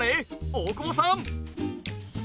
大久保さん。